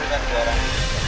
jelas kumpulkan seorang